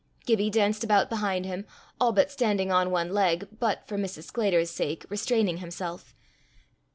Gibbie danced about behind him, all but standing on one leg, but, for Mrs. Sclater's sake, restraining himself.